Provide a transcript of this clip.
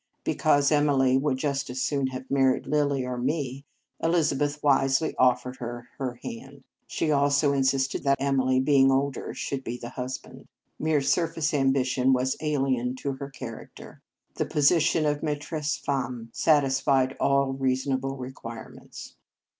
Because Emily would just as soon have married Lilly or me, Elizabeth wisely offered her her hand. She also insisted that Emily, being older, should be husband. Mere surface ambition was alien to her character. The position of maitresse femme satisfied all reasonable re quirements.